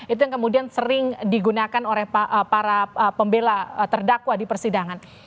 itu yang kemudian sering digunakan oleh para pembela terdakwa di persidangan